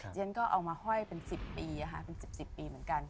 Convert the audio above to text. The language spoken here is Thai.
ตรงจริงก็เอามาห่อยเป็น๑๐ปีอ่าค่ะ๑๐๑๐ปีเหมือนกัน